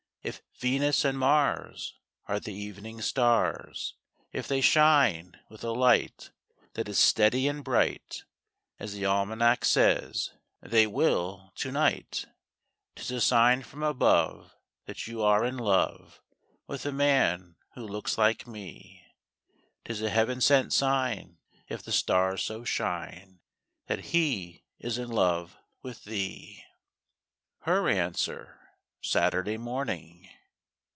If Venus and Mars Are the evening stars, If they shine with a light That is steady and bright (As the almanac says They will to night), 'Tis a sign from above That you are in love With a man who looks like me— 'Tis a heaven sent sign, If the stars so shine, That he is in love with thee. HER ANSWER—SATURDAY MORNING.